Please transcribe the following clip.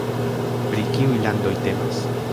Pri kiuj landoj temas?